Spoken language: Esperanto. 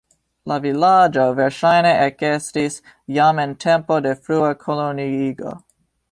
La vilaĝo verŝajne ekestis jam en tempo de frua koloniigo.